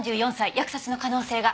扼殺の可能性が。